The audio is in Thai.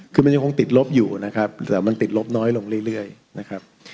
คือมันยังคงติดลบอยู่นะครับแต่มันติดลบน้อยลงเรื่อยนะครับ